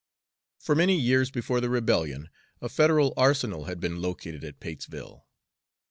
For many years before the rebellion a Federal arsenal had been located at Patesville.